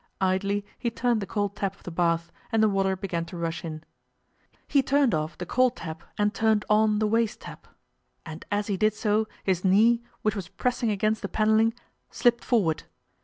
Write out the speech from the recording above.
Idly he turned the cold tap of the bath, and the water began to rush in. He turned off the cold tap and turned on the waste tap, and as he did so his knee, which was pressing against the panelling, slipped forward.